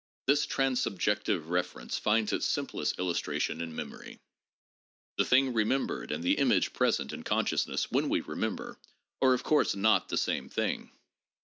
This transsubjective reference finds its simplest illustration in memory. The thing remembered and the image present in consciousness when we remember, are of course not the same thing.